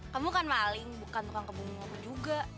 kamu kan maling bukan tukang kebumi aku juga